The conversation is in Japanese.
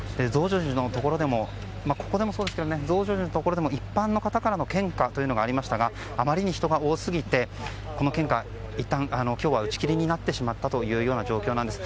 ここでもそうですが増上寺のところでも一般の方からの献花がありましたがあまりに人が多すぎてこの献花、いったん今日は打ち切りになってしまったというような状況です。